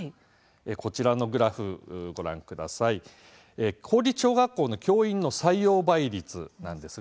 こちらのグラフは公立小学校の教員の採用倍率です。